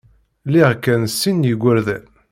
Liɣ kan sin n yigerdan.